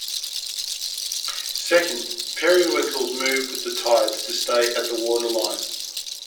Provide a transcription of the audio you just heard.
Second, periwinkles move with the tides to stay at the water line.